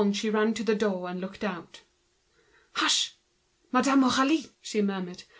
Pauline ran to the door and looked out. "Hush! Madame Aurélie!" she murmured.